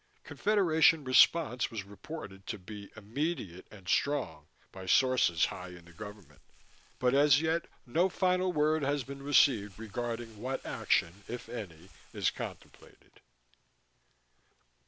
Confederation response was reported to be "immediate and strong" by sources high in the government, but as yet no final word has been received regarding what action, if any, is contemplated....